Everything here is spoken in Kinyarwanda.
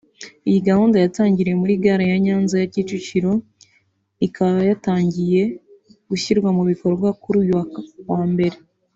Iyi gahunda yatangiriye muri gare ya Nyanza ya Kicukiro ika yatangiye gushyirwa mu bikorwa kuri uyu wa mbere